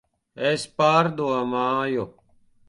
Es pārdomāju.